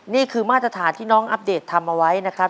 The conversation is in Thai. นี่คือมาตรฐานที่น้องอัปเดตสร้างมากเลยครับ